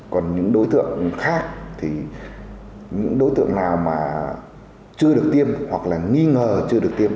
còn những đối tượng khác thì những đối tượng nào mà chưa được tiêm hoặc là nghi ngờ chưa được tiêm